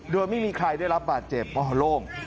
โดยไม่มีใครได้รับบาดเจ็บอ๋อโล่ง